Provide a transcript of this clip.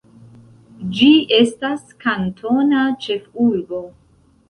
Ĝi estas kantona ĉefurbo.